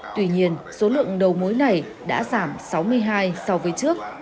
tuy nhiên số lượng đầu mối này đã giảm sáu mươi hai so với trước